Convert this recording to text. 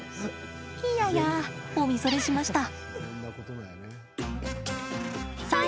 いやや、おみそれしました。